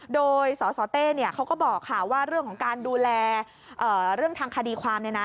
โดยสสเต้เขาก็บอกว่าเรื่องของการดูแลเรื่องทางคดีความ